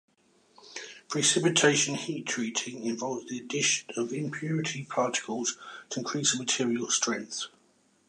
Precipitation heat treating involves the addition of impurity particles to increase a material's strength.